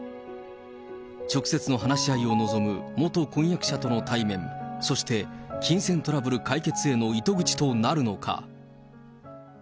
直接の話し合いを望む、元婚約者との対面、そして金銭トラブル解決への糸口となるのか。